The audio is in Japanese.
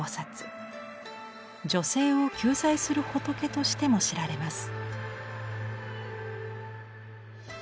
女性を救済する仏としても知られます。